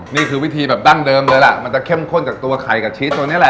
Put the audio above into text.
นี่คือวิธีแบบดั้งเดิมเลยล่ะมันจะเข้มข้นจากตัวไข่กับชีสตัวนี้แหละ